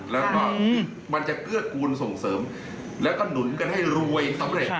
แล้วก็มันจะเกื้อกูลส่งเสริมแล้วก็หนุนกันให้รวยสำเร็จ